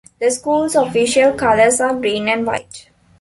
The school's official colors are green and white.